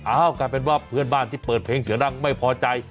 กลายเป็นว่าเพื่อนบ้านที่เปิดเพลงเสียงดังไม่พอใจ